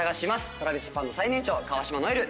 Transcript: ＴｒａｖｉｓＪａｐａｎの最年長川島如恵留。